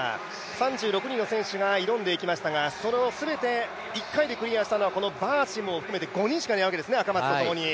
３６人の選手が挑んでいきましたが１回でクリアしたのはバーシムを含めて５人しかないわけですね、赤松とともに。